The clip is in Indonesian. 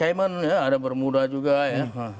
caimon ya ada bermuda juga ya